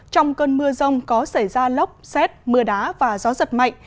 trong cơn mưa rông có xảy ra lốc xét mưa đá và gió giật mạnh